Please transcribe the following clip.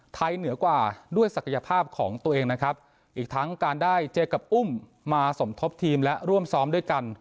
เหนือกว่าด้วยศักยภาพของตัวเองนะครับอีกทั้งการได้เจอกับอุ้มมาสมทบทีมและร่วมซ้อมด้วยกัน